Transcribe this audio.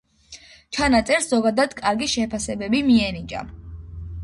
ჩანაწერს ზოგადად კარგი შეფასებები მიენიჭა.